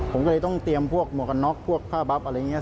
ผมก็เลยต้องเตรียมพวกหมวกกันน็อกพวกผ้าบับอะไรอย่างนี้